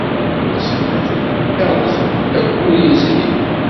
Asegnaf-nni yerẓem ayyur yezrin.